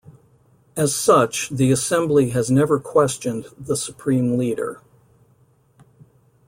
As such, the Assembly has never questioned the Supreme Leader.